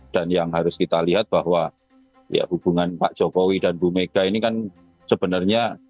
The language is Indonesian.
yang harus kita lihat bahwa ya hubungan pak jokowi dan bu mega ini kan sebenarnya